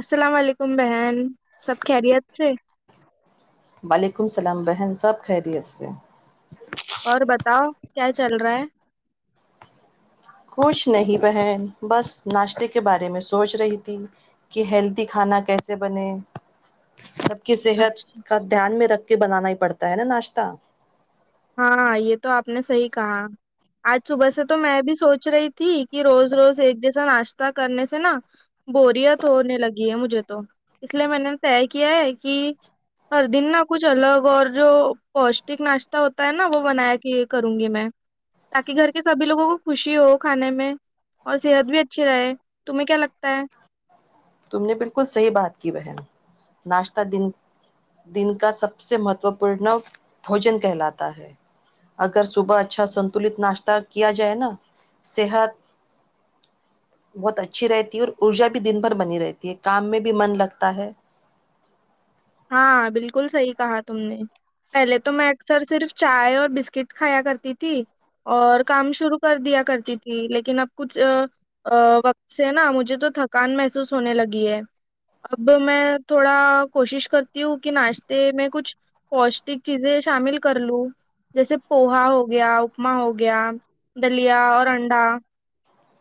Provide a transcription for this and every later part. السلام علیکم بہن سب خیریت سے [unintelligible] وعلیکم السلام بہن صاحب خیریت سے اور بتاؤ کیا چل رہا ہے [unintelligible] کچھ نہیں بہن بس ناشتے کے بارے میں سوچ رہی تھی کہ ہیلدی کھانا کیسے بنے سب کی صحت اچھا کا دھیان میں رکھ [unintelligible] کہ بنانا ہی پڑتا ہے نا ناشتہ ہاں یہ تو آپ نے صحیح کہا آج صبح سے تو میں بھی سوچ رہی تھی روز روز ایک جسا ناشتہ کرنے سے نا بورت ہونے لگی ہے مجھے تو اس لیے میں نے طے کیا ہے کہ ہر دن نا کچھ الگ اور جو پوشٹک ناش ہوتا ہے نا وہ بنایا کہ کروں گی میں تاکہ گھر کے سبھی لوگوں کو خوشی ہو کھانے میں اور صحت بھی اچھی رہے تمہیں کیا لگتا ہے تم نے بالکل صحیح بات کی بہن ناشہ دن دن کا سب سے مہتو پورن بھوجن کہلاتا ہے اگر صبح اچھا سنتلت ناشتہ کیا جائے نا صحت بہت اچھی رہتی اور ارجا بھی دن بنی رہتی ہے کام میں بھی من لگتا ہے ہاں بالکل صحیح کہا تم نے پہلے تو میں اکثر صرف چائے اور بسکٹ کھایا کرتی تھی اور کام شروع کر دیا کرتی تھی لیکن اب کچھ وقت سے نا مجھے تو تھکان محسوس ہونے لگی ہے اب میں تھوڑا کوشش کرتی ہوں کہ ناشتے میں کچھ پوشٹک چیزیں شامل کر لوں جیسے پوہا ہو گیا اپما ہو گیا دلیا اور انڈا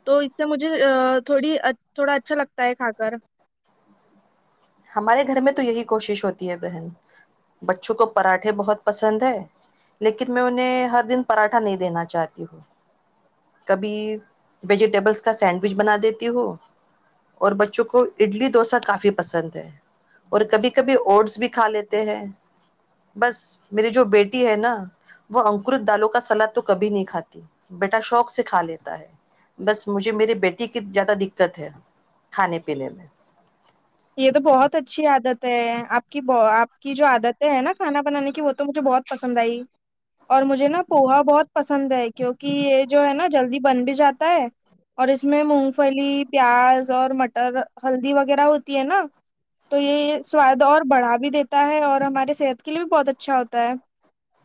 تو اس سے مجھے تھوڑی تھوڑا اچھا لگتا ہے کھا کر ہمارے گھر میں تو یہی کوشش ہوتی ہے بہن بچوں کو پراٹھے بہت پسند ہے لیکن میں انہیں ہر دن پراٹھا نہیں دینا چاہتی ہوں کبھی ویجیٹیبلس کا سینڈوچ بنا دیتی ہوں اور بچوں کو اڈلی ڈوسا کافی پسند ہے اور کبھی کبھی اوٹس بھی کھا لیتے ہیں بس میری جو بیٹی ہے نا وہ انکرت دالوں کا سلاد تو کبھی نہیں کھاتی بیٹا شوق سے کھا لیتا ہے بس مجھے میرے بیٹی کی زیادہ دقت ہے کھانے پینے میں یہ تو بہت اچھی عادت ہے آپ کی آپ کی جو عادتیں ہے نا کھانا بنانے کی وہ تو مجھے بہت پسند آئی اور مجھے نا پوہا بہت پسند ہے کیونکہ یہ جو ہے نا جلدی بن بھی جاتا ہے اور اس میں مونگ پھلی پیاز اور مٹر ہلدی وغیرہ ہو ہے نا تو یہ سواد اور بڑھا بھی دیتا ہے اور ہمارے صحت کے لیے بھی بہت اچھا ہوتا ہے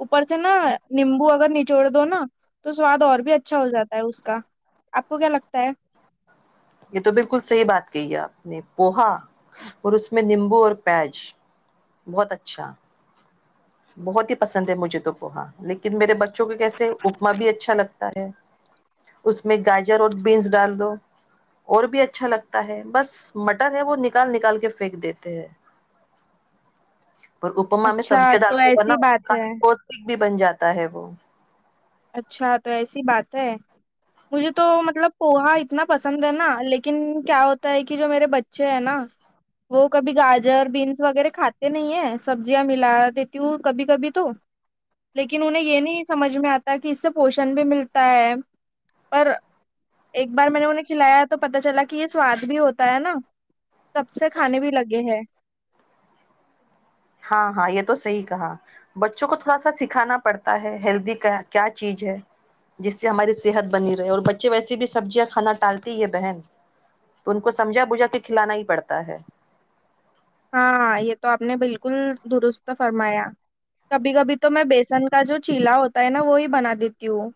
اوپر سے نا نیمبو اگر نچوڑ دو نا تو سواد اور بھی اچھا ہو جاتا ہے اس کا آپ کو کیا لگتا ہے یہ تو بالکل صحیح بات کہ ہے آپ نے پوہا اور اس میں نیمبو اور پیج بہت اچھا بہت ہی پسند ہے مجھے تو پوہا لیکن میرے بچے کہ کیسے اپما بھی اچھا لگتا ہے اس میں گاجر اور بینز ڈال دو اور بھی اچھا لگتا ہے بس مٹر ہے وہ نکال نکال کے پھینک دیتے ہیں پر اپما میں اچھا سبزی تو ڈالتا ایسی بناؤ بات ہے کافی بھی بن جاتا ہے وہ اچھا تو ایسی بات ہے مجھے تو مطلب پوہا اتنا پسند ہے نا لیکن کیا ہوتا ہے کہ جو میرے بچے ہیں نا وہ کبھی گاجر بینس وغیرہ کھاتے نہیں ہے سبزیاں ملا دیتی ہوں کبھی کبھی تو لیکن انہیں یہ نہیں سمجھ میں آتا تاکہ اس سے پوشن بھی ملتا ہے پر ایک بار میں نے انہیں کھلایا تو پتا چلا کہ یہ سواد بھی ہوتا ہے نا سب سے کھانے بھی لگے ہیں ہاں ہاں یہ تو صحیح کہا بچوں کو تھوڑا سا سکھانا پڑتا ہے ہیلدی کیا چیز ہے جس سے ہماری صحت بنی رہے اور بچے ویسے بھی سبزیاں کھانا ٹالتی ہے بہن تو ان کو سمجھا بجھا کے کھلانا ہی پڑتا ہے ہاں ہاں یہ تو آپ نے بالکل درست فرمایا کبھی کبھی تو میں بیسن کا جو چیلا ہوتا ہے نا وہی بنا دیتی ہوں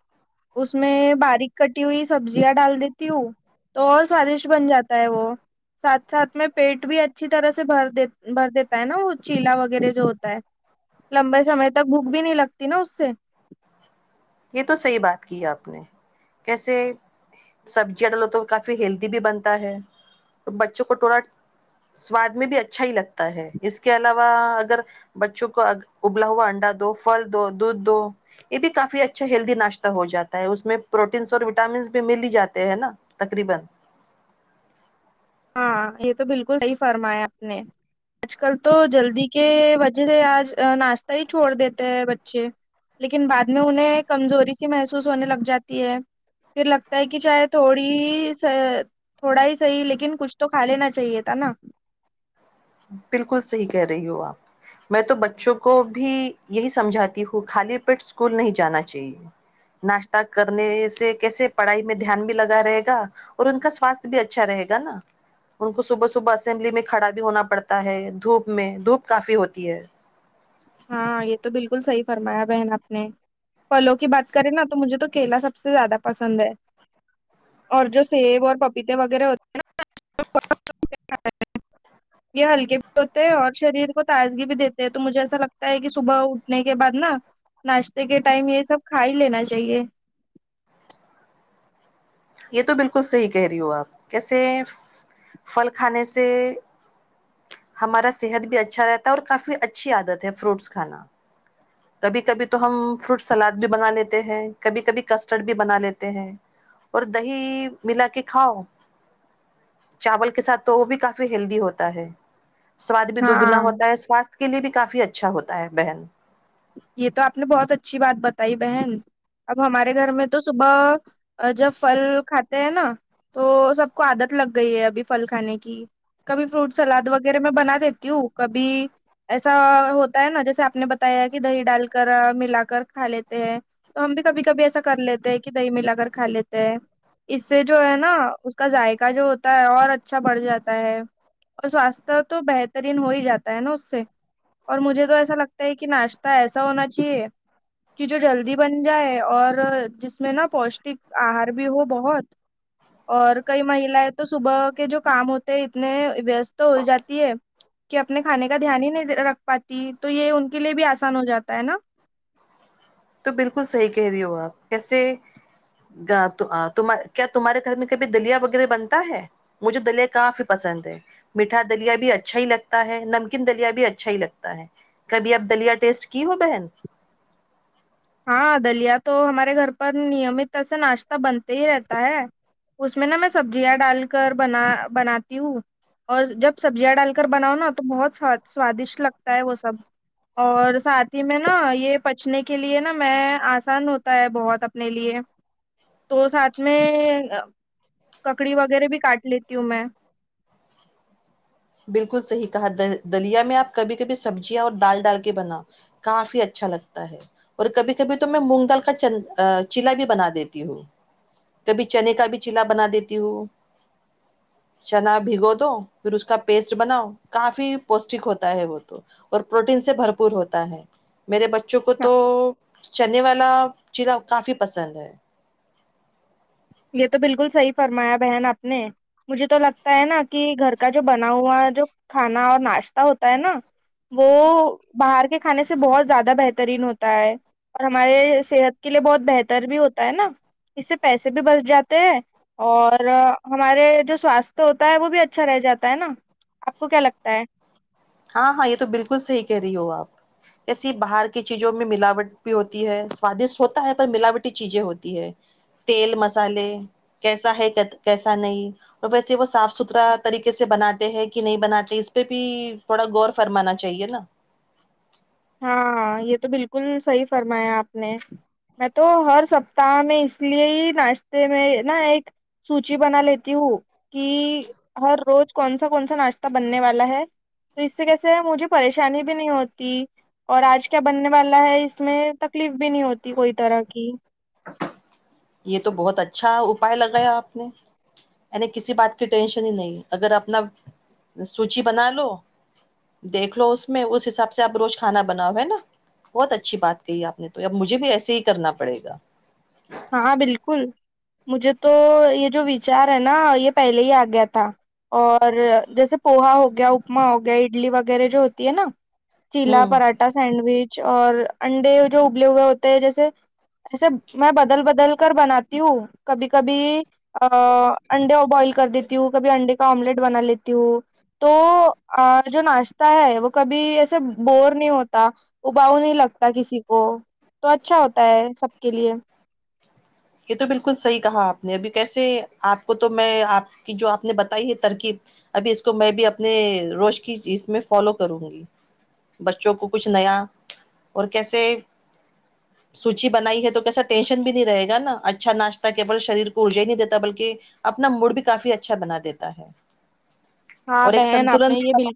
اس میں باریک کٹی ہوئی سبزیاں ڈال دیتی ہوں تو اور سوادشٹ بن جاتا ہے وہ ساتھ ساتھ میں پیٹ بھی اچھی طرح سے بھر بھر دیتا ہے نا وہ چیلا وغیرہ جو ہوتا ہے لمبے سمے تک بھوک بھی نہیں لگتی نا اس سے یہ تو سحیح بات کی آپ نے کیسے سبزیاں ڈالو تو کافی ہیلدی بھی بنتا ہے بچوں کو ٹوراٹ سواد میں بھی اچھا ہی لگتا ہے اس کے علاوہ اگر بچوں کو ابلا ہوا انڈا دو فھل دو دودھ دو یہ بھی کافی اچھا اچھا ہیلدی ناشتہ ہو جاتا ہے اس میں پروٹینز اور وٹامنز بھی مل ہی جاتے ہیں نا تقریبا ہاں یہ تو بالکل صحیح فرمایا آپ نے آج کل تو جلدی کے وجہ سے آج ناشتہ ہی چھوڑ دیتے ہیں بچے لیکن بعد میں انہیں کمزوری سی محسوس ہونے لگ جاتی ہے پھر لگتا ہے کہ چاہے تھوڑی تھوڑا ہی صحیح لیکن کچھ تو کھا لینا چاہیے تھا نا بالکل صحیح کہہ رہی ہو آپ میں تو بچوں کو بھی یہی سمجھاتی ہوں خالی پیٹ اسکول نہیں جانا چاہیے ناشتہ کرنے سے کیسے پڑھائی میں دھیان بھی لگا رہے گا اور ان کا سواستھ بھی اچھا رہے گا نا ان کو صبح صبح اسمبلی میں کھڑا بھی ہونا پڑھتا ہے دھوپ میں دھوپ کافی ہوتی ہے ہاں یہ تو بالکل صحیح فرمایا بہن آپ نے پھلوں کی بات کریں نا تو مجھے تو کیلا سب سے زیادہ پسند ہے اور جو سیب اور پپیتے وغیرہ ہوتے ہیں نا یہ ہلکے بھی ہوتے ہیں اور شریر کو تازگی بھی دیتے ہیں تو مجھے ایسا لگتا ہے کہ صبح اٹھنے کے بعد نا ناشتے کے ٹائم یہ سب کھا ہی لینا چاہیے یہ تو بالکل صحیح کہہ رہی ہو آپ کیسے پھل کھانے سے ہمارا صحت بھی اچھا رہتا ہے اور کافی اچھی عادت ہے فروٹس کھانا کبھی کبھی تو ہم فروٹ سلاد بھی بنا لیتے ہیں کبھی کبھی کسٹرڈ بھی بنا لیتے ہیں اور دہی ملا کے کھاؤ چاول کے ساتھ تو وہ بھی کافی ہیلدی ہوتا ہے سواد بھی دگنا ہاں ہوتا ہے سواستھ اس کے لیے بھی کافی اچھا ہوتا ہے بہن یہ تو آپ نے بہت اچھی بات بتائی بہن اب ہمارے گھر میں تو صبح اور جب پھل کھاتے ہیں نہ تو سب کو عادت لگ گئی ہے ابھی پھل کھانے کی کبھی فروٹ سلاد وغیرہ میں بنا دیتی ہوں کبھی ایسا ہوتا ہے نا جیسے آپ نے بتایا دہی ڈال کر ملا کر کھا لیتے ہیں تو ہم بھی کبھی کبھی ایسا کر لیتے ہیں کہ دہی ملا کر کھا لیتے ہیں اس سے جو ہے نا اس کا ذائقہ جو ہوتا ہے اور اچھا بڑھ جاتا ہے اور سواستھ تو بہترین ہو ہی جاتا ہے نا اس سے اور مجھے تو ایسا لگتا ہے کہ نا [unintelligible] ایسا ہونا چاہیے کہ جو جلدی بن جائے اور جس میں نا پوشٹک آہار بھی ہو بہت اور کئی مہیلا ہے تو صبح کے جو کام ہوتے ہیں اتنے وست تو ہو جاتی ہے کہ اپنے کھانے کا دھیان ہی نہیں رکھ پاتی تو یہ ان کے لیے بھی آ تو بالکل صحی کہہ رہی ہو آپ کیسے کیا تمہارے گھر میں کبھی دلیا وغیرہ بنتا ہے مجھے دلیا کافی پسند ہے میٹھا دلیا بھی اچھا ہی لگتا ہے نمکین دلیا بھی اچھا ہی لگتا ہے ہے کبھی اب دلیا ٹیسٹ کی ہو بہن [unintelligible] ہاں دلیا تو ہمارے گھر پر نیمت سے ناشتے بنتے ہی رہتا ہے [unintelligible] اس میں نا میں سبزیاں ڈال کر بنا بناتی ہوں اور جب سبزیاں ڈال کر بناؤ نا تو بہت سوادشٹ لگتا ہے وہ سب اور ساتھ ہی میں نا یہ پچنے کے لیے نا میں آسان ہوتا ہے بہت اپنے لیے تو ساتھ میں ککڑی وغیرہ بھی کاٹ لیتی ہوں میں بالکل صحیح کہا دلیا میں آپ کبھی کبھی سبزیاں اور دال ڈال کے بنا کافی اچھا لگتا ہے اور کبھی کبھی تو میں مونگ دال کا چ چیلا بھی بنا دیتی ہوں کبھی چنے کا بھی چلا بنا دیتی ہوں چنا بھگو دو پھر اس کا پیسٹ بناؤ کافی پوشٹک ہوتا ہے وہ تو اور پروٹین سے بھرپور ہوتا ہے میرے بچوں کو تو چنے والا چزا کافی پسند ہے یہ تو بالکل صحیح فرمایا بہن آپ نے مجھے تو لگتا ہے نا کہ گھر کا جو بنا ہوا جو کھانا اور ناشتہ ہوتا ہے نا وہ باہر کے کھانے سے بہت زیادہ بہترین ہوتا ہے اور ہمارے صحت کے لیے بہت بہتر بھی ہوتا ہے نا اس سے پیسے سے بھی بس جاتے ہیں اور ہمارے جو سواستھ ہوتا ہے وہ بھی اچھا رہ جاتا ہے نا آپ کو کیا لگتا ہے ہاں ہاں یہ تو بالکل صحیح کہہ رہی ہو آپ ایسے باہر کی چیزوں میں ملاوٹ بھی ہوتی ہے سوادشٹ ہوتا ہے پر ملاوٹی چیزیں ہوتی ہے تیل مسالے کیسا ہے کیسا نہیں اور ویسے وہ صاف ستھرا طریقے سے بناتے ہیں کہ نہیں بناتے اس پہ بھی تھوڑا غور فرمانا چاہیے نا ہاں یہ تو بالکل صحیح فرمایا آپ نے میں تو ہر سپتاہ میں اس لیے ہی ناشتے میں نا ایک سوچی بنا لیتی ہوں کہ ہر روز کون سا کون سا ناشتہ بننے والا ہے تو اس سے کیسے مجھے پریشانی بھی نہیں ہوتی اور آج کیا بننے والا ہے اس میں تکلیف بھی نہیں ہوتی کوئی طرح کی [unintelligible] یہ تو بہت اچھا اپپائے لگایا آپ نے یعنی کسی بات کی ٹینشن ہی نہیں اگر اپنا سوچی بنا لو دیکھ لو اس میں اس حساب سے آپ روز کھانا بناؤ ہے نا بہت اچھی بات کہی آپ نے تو اب مجھے بھی ایسے ہی کرنا پڑے گا ہاں بالکل مجھے تو یہ جو وچار ہے نا یہ پہلے ہی آ گیا تھا اور جیسے پوہا ہو گیا اپما ہو گیا اڈلی وغیرہ جو ہوتی ہے نا چیلا ہوں پراٹھا سینڈوچ اور انڈے جو ابلے ہوئے ہوتے ہیں جیسے ایسے میں بدل بدل کر بناتی ہوں کبھی کبھی انڈے بوائل کر دیتی ہوں کبھی انڈے کا آملیٹ بنا لیتی ہوں تو جو ناشتہ ہے وہ کبھی ایسے بور نہیں ہوتا اباؤ نہیں لگتا کسی کو تو اچھا ہوتا ہے سب کے لیے یہ تو بالکل صحیح کہا آپ نے ابھی کیسے آپ کو تو میں آپ کی جو آپ نے بتائی ہے ترکیب ابھی اس کو میں بھی اپنے روش کی اسز میں فالو کروں گی بچوں کو کچھ نیا اور کیسے سوچی بنائی ہے تو کیسا ٹینشن بھی نہیں رہے گا نا اچھاشتہ کےل شریر کو ارجا ہی نہیں دیتا بلکہ اپنا موڈ بھی کافی اچھا اچھا بنا دیتا ہے ہاں اور ایک بہن آپ سنتلن نے یہ بالکل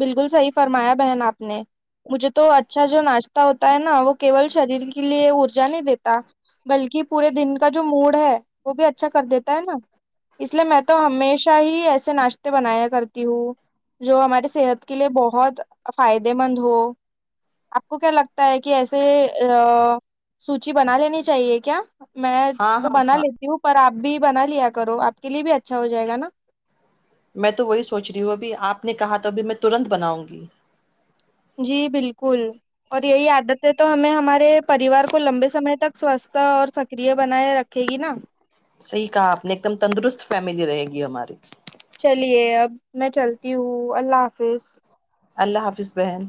بالکل صحیح فرمایا بہن آپ نے مجھے تو اچھا جو ناشتہ ہوتا ہے نا وہ کیول شریر کے لیے ارجا نہیں دیتا بلکہ پورے دن کا جو موڈ ہے وہ بھی اچھا کر دیتا ہے نا اس لیے میں تو ہمیشہ ہی ایسے ناشتے بنایا کرتی ہوں جو ہمارے صحت کے لیے بہت فائدے مند ہو آپ کو کیا لگتا ہے کہ ایسے سوچی بنا لینی چاہیے کیا میں ہاں تو ہاں بنا ہاں لیتی ہوں پر آپ بھی بنا لیا کرو آپ کے لیے بھی اچھا ہو جائے گا نا میں تو وہی سوچ رہی ہوں ابھی آپ نے کہا تو ابھی میں ترنت بناؤں گی جی بالکل اور یہی عادت ہے تو ہمیں ہمارے پریوار کو لمبے سمے تک سوستھ اور سکر بنائے رکھے گی نا صحیح کہا آپ نے ایک دم تندرست فیملی رہے گی ہماری چلیے اب میں چلتی ہوں اللہ حافظ اللہ حافظ بہن